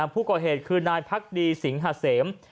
ผู้ก่อเหตุคือนายพักดีสิงหาเสม